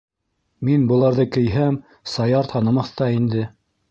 Мин быларҙы кейһәм, Саяр танымаҫ та инде!